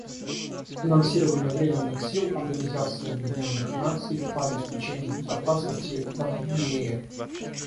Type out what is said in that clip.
Финансирование Временных сил Организации Объединенных Наций по обеспечению безопасности в Абьее.